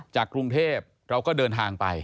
กรุงเทพเราก็เดินทางไป